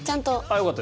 よかった。